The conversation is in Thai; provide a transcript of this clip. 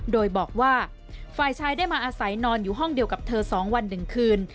โดยบอกว่าฝ่ายชายได้มาอาศัยนอนอยู่ห้องเดียวกับเธอ๒วัน๑คืน